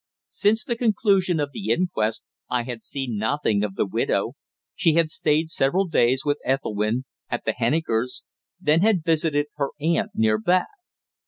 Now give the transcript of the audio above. Since the conclusion of the inquest I had seen nothing of the widow. She had stayed several days with Ethelwynn at the Hennikers', then had visited her aunt near Bath.